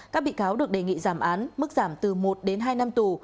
các bị cáo được đề nghị giảm án mức giảm từ một đến hai năm tù